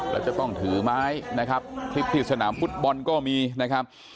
แล้วจะต้องถือไม้นะครับคลิปที่สนามฟุตบอลก็มีนะครับ